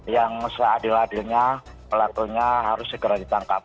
yang seadil adilnya pelakunya harus segera ditangkap